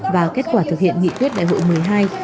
và kết quả thực hiện nghị quyết đại hội một mươi hai